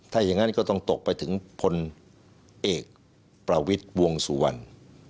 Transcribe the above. ถ้าอย่างนั้นก็ต้องตกไปถึงพลเอกประวิทย์วงสุวรรณ